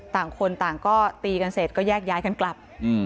ต่างคนต่างก็ตีกันเสร็จก็แยกย้ายกันกลับ